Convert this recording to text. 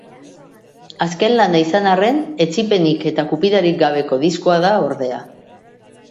Azken lana izan arren, etsipenik eta kupidarik gabeko diskoa da ordea.